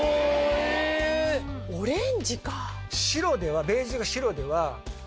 オレンジか。